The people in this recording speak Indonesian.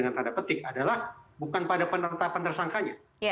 dengan tanda petik adalah bukan pada penetapan tersangkanya